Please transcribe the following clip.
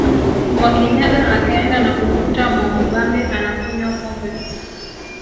Mwakinyaga akaenda na kumkuta Mwamubambe anakunywa pombe